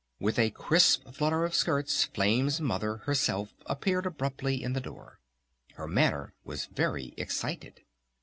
With a crisp flutter of skirts Flame's Mother, herself, appeared abruptly in the door. Her manner was very excited.